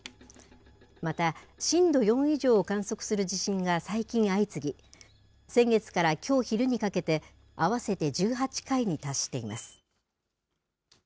また、震度４以上を観測する地震が最近相次ぎ、先月からきょう昼にかけて、合わせて１８回に達しています。